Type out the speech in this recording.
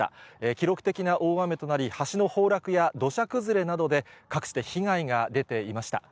記録的な大雨となり、橋の崩落や土砂崩れなどで、各地で被害が出ていました。